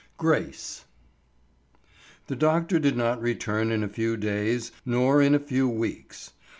GRACE. THE doctor did not return in a few days nor in a few weeks.